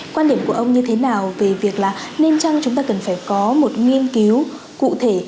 quan điểm của ông như thế nào về việc là nên chăng chúng ta cần phải có một nghiên cứu cụ thể